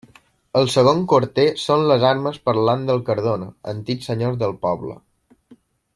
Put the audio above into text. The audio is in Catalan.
El segon quarter són les armes parlants dels Cardona, antics senyors del poble.